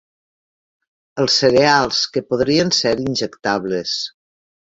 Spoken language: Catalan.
Els cereals que podrien ser injectables.